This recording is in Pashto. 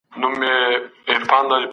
بنسټیزه څېړنه ډېره کلي بڼه لري.